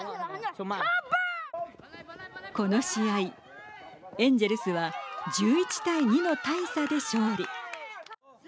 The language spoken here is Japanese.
この試合、エンジェルスは１１対２の大差で勝利。